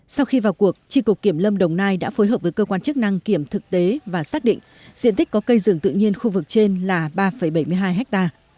sau khi vào cuộc tri cục kiểm lâm đồng nai đã phối hợp với cơ quan chức năng kiểm thực tế và xác định diện tích có cây rừng tự nhiên khu vực trên là ba bảy mươi hai ha